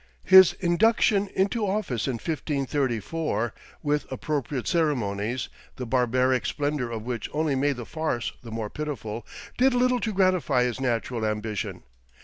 His induction into office in 1534 with appropriate ceremonies, the barbaric splendor of which only made the farce the more pitiful, did little to gratify his natural ambition.